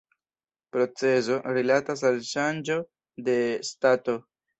Procezo rilatas al la ŝanĝo de stato.